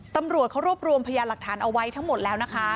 ตำรวจเขารวบรวมพยานหลักฐานเอาไว้ทั้งหมดแล้วนะคะ